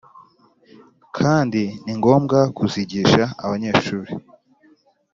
kandi ni ngombwa kuzigisha abanyeshuri